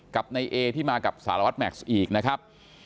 กับนายเอที่มากับสารวัตรแม็กซ์อีกนะครับ